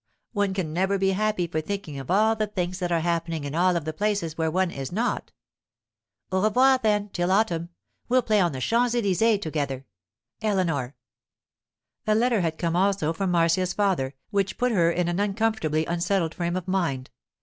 One can never be happy for thinking of all the things that are happening in all of the places where one is not. 'Au revoir, then, till autumn; we'll play on the Champs Elysées together. 'ELEANOR.' A letter had come also from Marcia's father, which put her in an uncomfortably unsettled frame of mind.